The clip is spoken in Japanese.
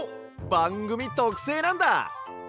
ばんぐみとくせいなんだ！